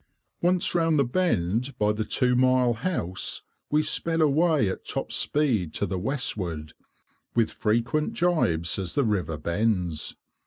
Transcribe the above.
Once round the bend by the Two mile House we sped away at top speed to the westward, with frequent jibes as the river bends.